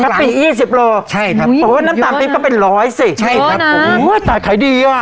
น้ำตาลปิก๒๐กิโลกรัมโอ้ยน้ำตาลปิกก็เป็นร้อยสิโอ้ยแต่ขายดีอ่ะ